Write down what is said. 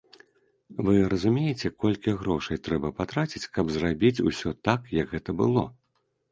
Вы разумееце, колькі грошай трэба патраціць, каб зрабіць усё так, як гэта было?!